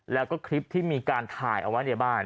แล้วก็คลิปที่มีการถ่ายเอาไว้ในบ้าน